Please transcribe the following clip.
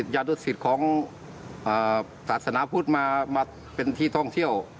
ยาดุสิตของศาสนาพุทธมาเป็นที่ท่องเที่ยว